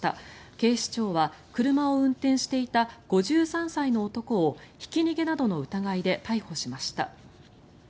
警視庁は車を運転していた５３歳の男をひき逃げなどの疑いで逮捕しました。